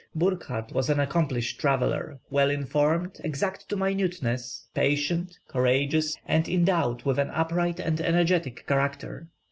Burckhardt was an accomplished traveller; well informed, exact to minuteness, patient, courageous, and endowed with an upright and energetic character.